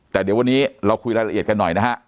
แต่เดี๋ยววันนี้เราคุยรายละเอียดกันหน่อยนะฮะ